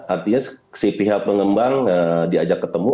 artinya si pihak pengembang diajak ketemu